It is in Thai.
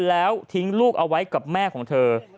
แล้วทิ้งลูกเอาไว้กับแม่ของเธอ